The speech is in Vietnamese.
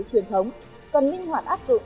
truyền thống cần minh hoạt áp dụng